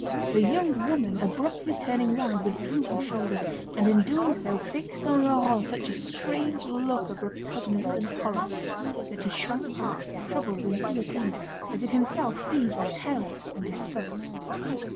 The young woman, abruptly turning round, withdrew her shoulder, and in doing so, fixed on Laurent such a strange look of repugnance and horror, that he shrank back, troubled and ill at ease, as if himself seized with terror and disgust.